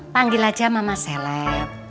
panggil aja mama seleb